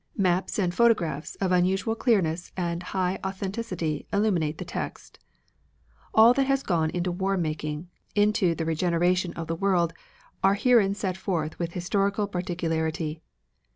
Maps and photographs of unusual clearness and high authenticity illuminate the text. All that has gone into war making, into the regeneration of the world, are herein set forth with historical particularity.